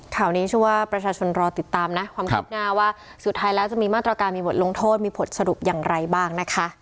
ข่าวนี้ชื่อว่าประชาชนรอติดตามนะความคืบหน้าว่าสุดท้ายแล้วจะมีมาตรการมีบทลงโทษมีผลสรุปอย่างไรบ้างนะคะ